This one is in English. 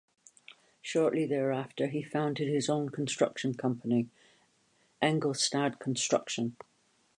Shortly thereafter, he founded his own construction company: Engelstad Construction.